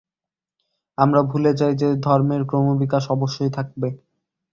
আমরা ভুলে যাই যে, ধর্মের ক্রমবিকাশ অবশ্যই থাকবে।